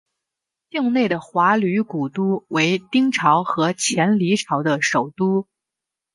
境内的华闾古都为丁朝和前黎朝的首都。